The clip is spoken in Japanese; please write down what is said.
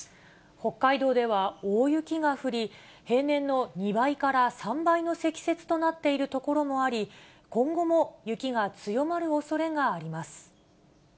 北海道では大雪が降り、平年の２倍から３倍の積雪となっている所もあり、今後も雪が強まるおそれがあります。